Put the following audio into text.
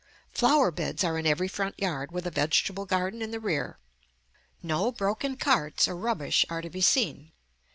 Flower beds are in every front yard, with a vegetable garden in the rear. No broken carts or rubbish are to be seen.